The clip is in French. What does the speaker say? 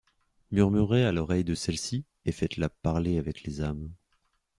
Murmurez à l’oreille de celle-ci, et faites-la parler avec les âmes.